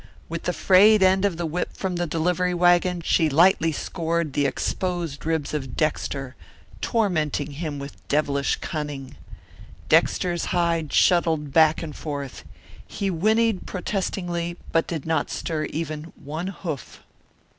With the frayed end of the whip from the delivery wagon she lightly scored the exposed ribs of Dexter, tormenting him with devilish cunning. Dexter's hide shuttled back and forth. He whinnied protestingly, but did not stir even one hoof.